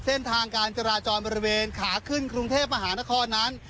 เส้นทางการจราจรบริเวณขาขึ้นกรุงเทพมหานครนั้น